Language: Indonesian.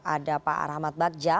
ada pak arhamad bagja